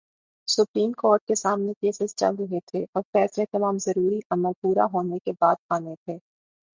Supreme court کے سامنے cases چل رہے تھے اور فیصلے تمام ضروری عمل پورا ہونے کے بعد آنے تھے۔